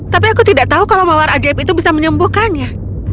tapi aku tidak tahu kalau mawar ajaib itu bisa menyembuhkannya